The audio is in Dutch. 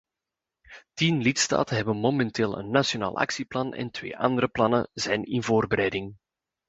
Tien lidstaten hebben momenteel een nationaal actieplan en twee andere plannen zijn in voorbereiding.